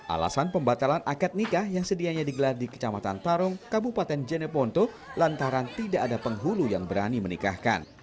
alasan pembatalan akad nikah yang sedianya digelar di kecamatan tarong kabupaten jeneponto lantaran tidak ada penghulu yang berani menikahkan